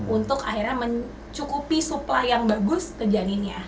untuk akhirnya mencukupi supply yang bagus ke janinnya